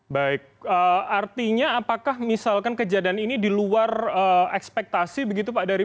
baik artinya apakah misalkan kejadian ini di luar ekspektasi begitu pak dari